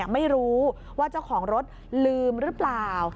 ไม่รู้ว่าเจ้าของรถลืมหรือเปล่า